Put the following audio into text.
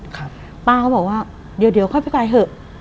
ป้าเขาบอกว่าเดี๋ยวเข้าไปไปเหอะ